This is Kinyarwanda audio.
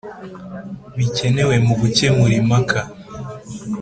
Bikenewe Mu Gukemura Impaka